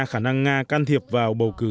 khả năng nga can thiệp vào bầu cử